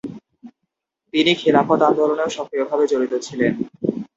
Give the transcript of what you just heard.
তিনি খিলাফত আন্দোলনেও সক্রিয়ভাবে জড়িত ছিলেন।